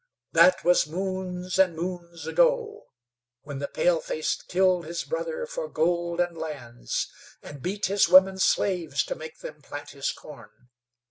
"That was moons and moons ago, when the paleface killed his brother for gold and lands, and beat his women slaves to make them plant his corn.